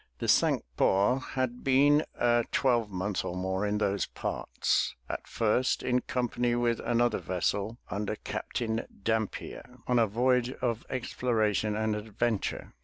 The Cinque Ports had been a twelvemonth or more in those parts, at first in company with another vessel under Captain Dampier, on a voyage of exploration and adventure.